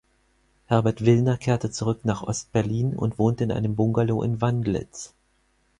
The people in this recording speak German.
Herbert Willner kehrte zurück nach Ost-Berlin und wohnte in einem Bungalow in Wandlitz.